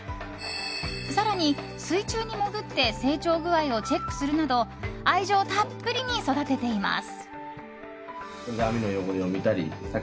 更に、水中に潜って成長具合をチェックするなど愛情たっぷりに育てています。